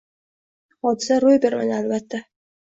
Bunday hodisa roʻy bermadi, albatta.